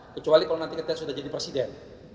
kecuali kalau nanti kita sudah jadi presiden